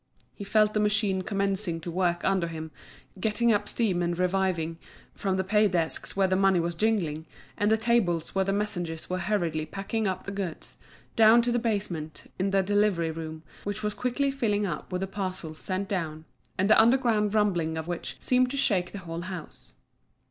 He felt the machine commencing to work under him, getting up steam and reviving, from the pay desks where the money was jingling, and the tables where the messengers were hurriedly packing up the goods, down to the basement, in the delivery room, which was quickly filling up with the parcels sent down, and the underground rumbling of which seemed to shake the whole house.